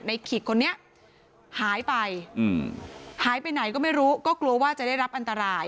ขิกคนนี้หายไปหายไปไหนก็ไม่รู้ก็กลัวว่าจะได้รับอันตราย